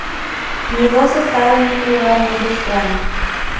Mi voz estaba en un lugar muy extraño".